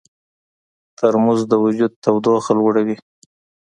ترموز د وجود تودوخه لوړوي.